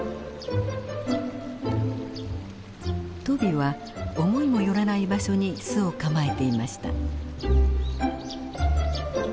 トビは思いもよらない場所に巣を構えていました。